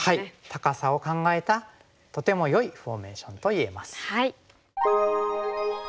高さを考えたとてもよいフォーメーションと言えます。